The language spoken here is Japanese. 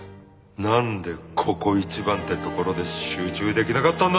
なんでここ一番ってところで集中できなかったんだ！